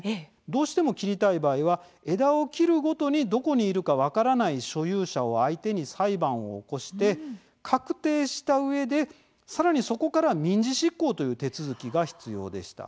どうしても切りたい場合は枝を切るごとにどこにいるか分からない所有者を相手に裁判を起こして確定した上で更にそこから民事執行という手続きが必要でした。